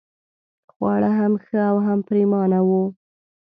خواړه هم ښه او هم پرېمانه وو.